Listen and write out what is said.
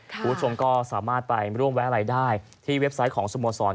คุณผู้ชมก็สามารถไปร่วมไว้อะไรได้ที่เว็บไซต์ของสโมสร